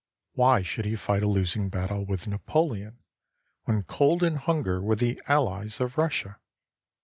Why should he fight a losing battle with Napoleon when cold and hunger were the allies of Russia?